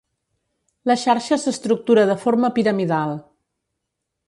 La xarxa s'estructura de forma piramidal.